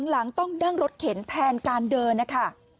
หลังต้องนั่งรถเข็นแทนการเดินนะคะ